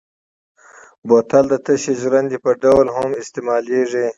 بوتل د تشې ژرندې په ډول هم استعمالېږي.